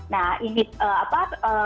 nah ini apa